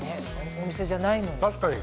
お店じゃないのに。